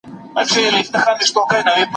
د ښکلا دپاره تر دغي وني لاندي ژوند ډېر ښکلی دی.